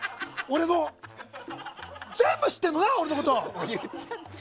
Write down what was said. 全部知ってんのな、俺のこと。